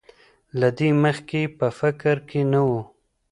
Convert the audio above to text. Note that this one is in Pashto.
له دې مخکې یې په فکر کې نه وو.